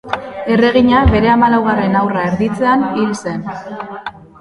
Erregina bere hamalaugarren haurra erditzean hil zen.